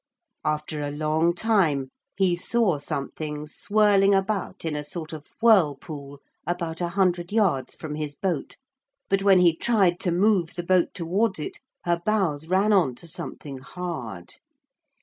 After a long time he saw something swirling about in a sort of whirlpool about a hundred yards from his boat, but when he tried to move the boat towards it her bows ran on to something hard.